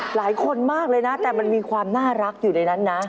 หลายคนมากเลยนะแต่มันมีความน่ารักอยู่ในนั้นนะ